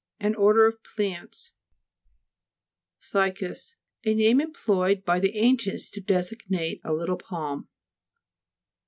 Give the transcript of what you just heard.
An order of plants. CY'CAS A name employed by the ancients to designate a little palm.